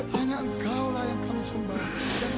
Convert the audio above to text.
hanya engkau lah yang kami sembah